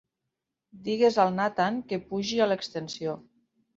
Digues al Natan que pugi a l'extensió.